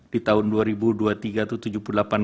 di tahun dua ribu dua puluh tiga itu